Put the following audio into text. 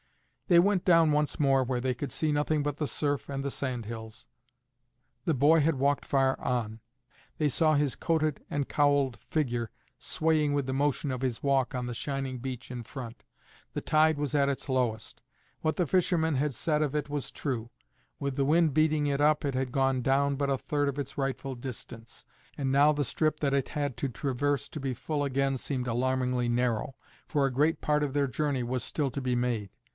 They went down once more where they could see nothing but the surf and the sand hills. The boy had walked far on; they saw his coated and cowled figure swaying with the motion of his walk on the shining beach in front. The tide was at its lowest. What the fishermen had said of it was true: with the wind beating it up it had gone down but a third of its rightful distance; and now the strip that it had to traverse to be full again seemed alarmingly narrow, for a great part of their journey was still to be made.